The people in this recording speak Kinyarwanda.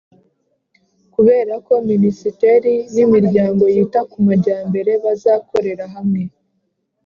kubera ko za minisiteri n'imiryango yita ku majyambere bazakorera hamwe,